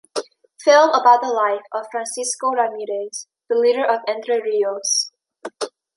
Film about the life of Francisco Ramírez, the leader of Entre Ríos.